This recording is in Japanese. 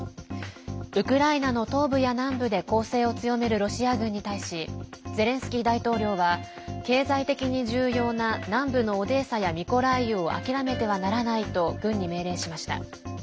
ウクライナの東部や南部で攻勢を強めるロシア軍に対しゼレンスキー大統領は経済的に重要な南部のオデーサやミコライウを諦めてはならないと軍に命令しました。